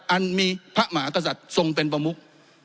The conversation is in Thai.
อันมีพระมหากษัตริย์ทรงเป็นประมุก